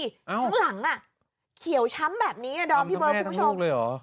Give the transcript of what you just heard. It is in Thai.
ข้างหลังอ่ะเขียวช้ำแบบนี้ดอมพี่เบิร์ดคุณผู้ชม